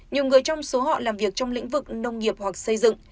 nhiều người trong số họ làm việc trong lĩnh vực nông nghiệp hoặc xây dựng